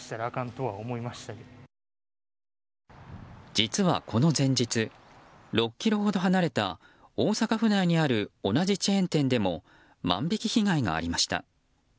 実は、この前日６ｋｍほど離れた大阪府内にある同じチェーン店でも万引き被害がありました。